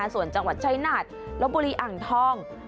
ส่วนจังหวัดชายนาฏลบบุรีอ่างทอง